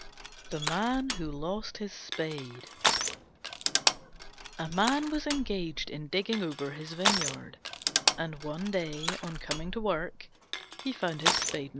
THE MAN WHO LOST HIS SPADE A Man was engaged in digging over his vineyard, and one day on coming to work he missed his Spade.